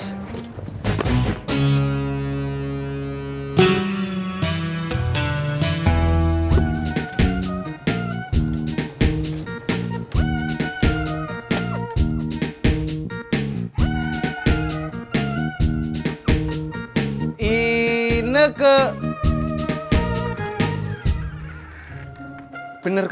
suaranya apa masak